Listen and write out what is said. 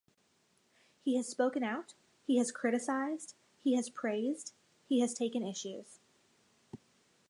He has spoken out; he has criticized; he has praised; he has taken issues.